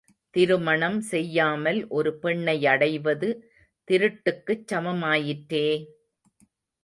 திருமணம் செய்யாமல் ஒரு பெண்ணையடைவது திருட்டுக்குச் சமமாயிற்றே!